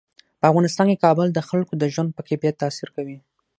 په افغانستان کې کابل د خلکو د ژوند په کیفیت تاثیر کوي.